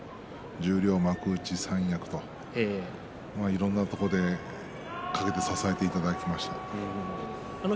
十両、幕内、三役といろいろなところで陰で支えていただきました。